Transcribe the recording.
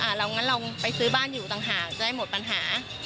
เรางั้นเราไปซื้อบ้านอยู่ต่างหากจะได้หมดปัญหา